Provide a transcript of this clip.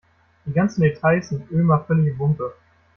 Die ganzen Details sind Ömer völlig wumpe.